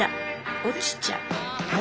落ちちゃう？